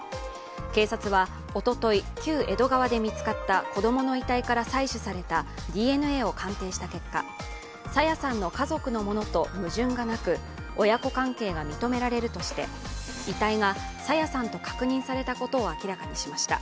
警察はおととい、旧江戸川で見つかった子供の遺体から採取されたＤＮＡを鑑定した結果、朝芽さんの家族のものと矛盾がなく親子関係が認められるとして、遺体が朝芽さんと確認されたことを明らかにしました。